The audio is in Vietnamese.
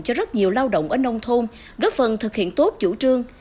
cho rất nhiều lao động ở nông thôn góp phần thực hiện tốt chủ trương